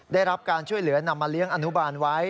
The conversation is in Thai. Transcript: ได้รับการช่วยเหลือนำมาเลี้ยงอนุบาลไว้